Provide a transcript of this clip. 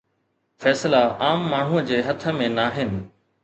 فيصلا عام ماڻهوءَ جي هٿ ۾ ناهن.